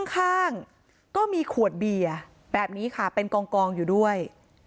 ข้างก็มีขวดเบียร์แบบนี้ค่ะเป็นกองอยู่ด้วย